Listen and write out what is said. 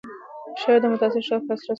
شعر د متاثر شخص تاثیرات څرګندوي.